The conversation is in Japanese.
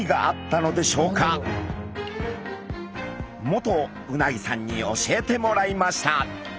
元鰻さんに教えてもらいました。